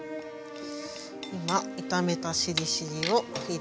今炒めたしりしりーを入れ。